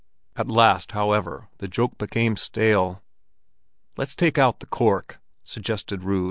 At last, however, the joke became stale. "Let's take out the cork!" suggested Rud.